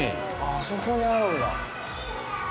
あそこにあるんだ。